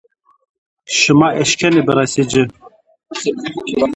Şima eşkenê biresê ci